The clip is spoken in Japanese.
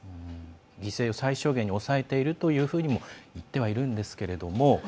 犠牲を最小限に抑えているというふうにも言ってはいるんですけれども。